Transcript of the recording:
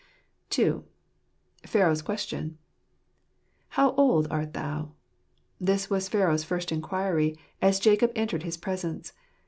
II. Pharaoh's Question. "How old art thou?" This was Pharaoh's first inquiry, as Jacob entered his presence.